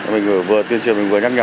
mình vừa tuyên truyền mình vừa nhắc nhở